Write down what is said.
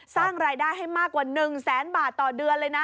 สร้างรายได้ให้มากกว่า๑แสนบาทต่อเดือนเลยนะ